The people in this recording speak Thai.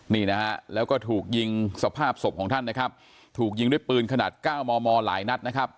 นี่นะฮะแล้วก็ถูกยิงสภาพศพของท่านนะครับถูกยิงด้วยปืนขนาดเก้ามอมอหลายนัดนะครับ